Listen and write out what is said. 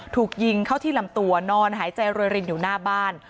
ถูกยิงเข้าที่ลำตัวนอนหายใจรวยรินอยู่หน้าบ้าน